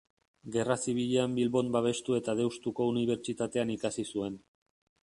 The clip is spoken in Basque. Gerra Zibilean Bilbon babestu eta Deustuko Unibertsitatean ikasi zuen.